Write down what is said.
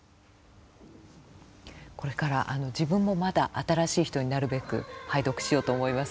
これから自分もまだ「新しい人」になるべく拝読しようと思います。